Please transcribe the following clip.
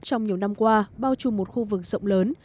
trong nhiều năm qua bao trùm một khu vực rộng lớn